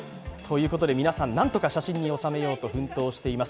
皆さん、なんとか写真に収めようと奮闘しています。